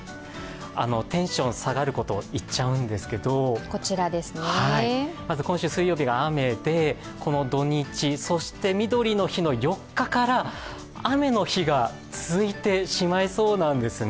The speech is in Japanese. テンション下がることを言っちゃうんですけど今週、水曜日が雨でこの土日、そしてみどりの日の４日から雨の日が続いてしまいそうなんです。